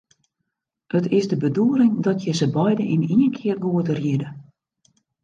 It is de bedoeling dat je se beide yn ien kear goed riede.